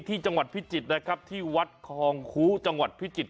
ที่จังหวัดพิจิตรนะครับที่วัดทองคูจังหวัดพิจิตร